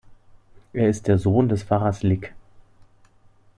Er ist der Sohn des Pfarrers Lic.